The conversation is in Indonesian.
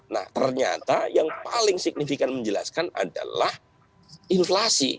nah ternyata yang paling signifikan menjelaskan adalah inflasi